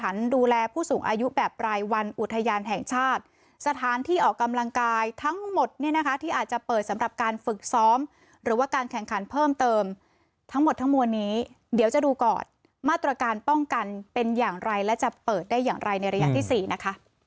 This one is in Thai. หรือว่าการแข่งขันเพิ่มเติมทั้งหมดทั้งมวลนี้เดี๋ยวจะดูก่อนมาตรการป้องกันเป็นอย่างไรและจะเปิดได้อย่างไรในระยะที่สี่นะคะ